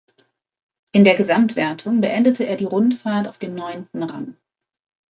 In der Gesamtwertung beendete er die Rundfahrt auf dem neunten Rang.